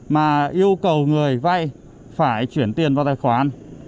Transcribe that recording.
mà yêu cầu người vay phải chuyển tiền vào tài khoản